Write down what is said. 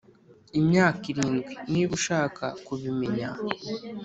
imyaka irindwi, niba ushaka kubimenya.